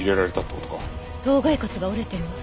頭蓋骨が折れてるわ。